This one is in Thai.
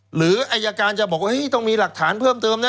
หรืออายการจะบอกว่าต้องมีหลักฐานเพิ่มเติมนะ